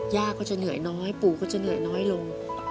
ย่าก็จะเหนื่อยน้อยปู่ก็จะเหนื่อยน้อยลง